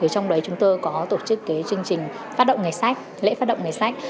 trong đó chúng tôi có tổ chức chương trình lễ phát động ngày sách